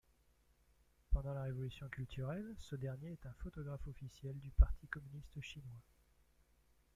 Pendant la Révolution culturelle ce dernier est un photographe officiel du Parti communiste chinois.